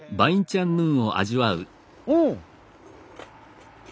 うん！